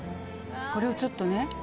これをちょっとね。